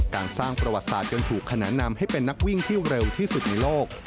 การสร้างประวัติศาสตร์จนถูกขนานนำให้เป็นนักวิ่งที่เร็วที่สุดในโลก